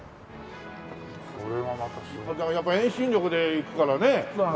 だから遠心力でいくからね。